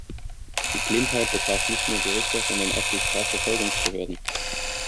Die "Blindheit" betraf nicht nur die Richter, sondern auch die Strafverfolgungsbehörden.